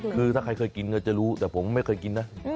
คือถ้าใครเคยกินก็จะรู้แต่ผมไม่เคยกินนะ